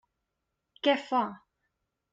Què fa?